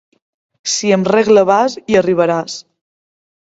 Si amb regla vas, hi arribaràs.